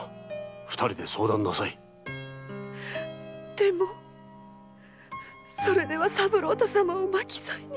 でもそれでは三郎太様を巻き添えに。